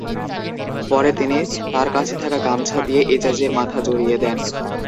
পরে তিনি তাঁর কাছে থাকা গামছা দিয়ে এজাজের মাথা জড়িয়ে দেন।